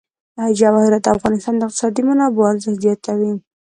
جواهرات د افغانستان د اقتصادي منابعو ارزښت زیاتوي.